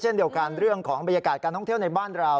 เช่นเดียวกันเรื่องของบรรยากาศการท่องเที่ยวในบ้านเรา